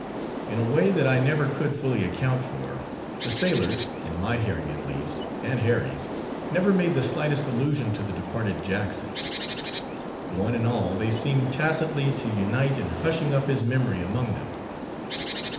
In a way that I never could fully account for, the sailors, in my hearing at least, and Harry's, never made the slightest allusion to the departed Jackson. One and all they seemed tacitly to unite in hushing up his memory among them.